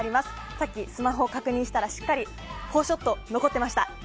さっき、スマホを確認したらしっかり写真が残っていました。